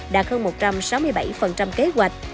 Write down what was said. đạt hơn một trăm sáu mươi bảy kế hoạch